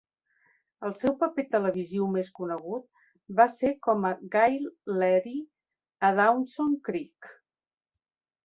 El seu paper televisiu més conegut va ser com a Gail Leery a "Dawson's Creek".